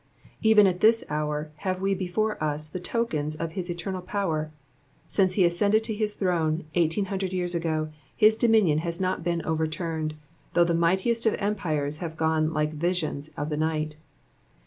Even at this hour we have before us the tokens of his eternal power ; since he ascended to his throne, eighteen hundred years ago, his dominion has not been overturned, though the mightiest of empires have gone like visions of the night.